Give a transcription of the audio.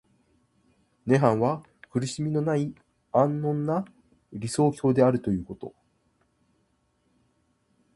涅槃は苦しみのない安穏な理想郷であるということ。